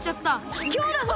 ひきょうだぞ！